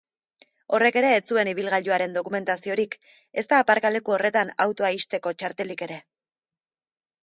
Horrek ere ez zuen ibilgailuaren dokumentaziorik ezta aparkaleku horretan autoa ixteko txartelik ere.